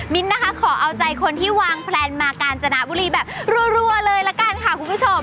นะคะขอเอาใจคนที่วางแพลนมากาญจนบุรีแบบรัวเลยละกันค่ะคุณผู้ชม